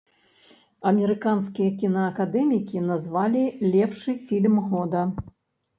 Амерыканскія кінаакадэмікі назвалі лепшы фільм года.